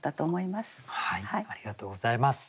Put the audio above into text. ありがとうございます。